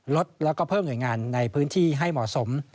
ลดแล้วก็เพิ่มหน่วยงานในพื้นที่ให้เหมาะสม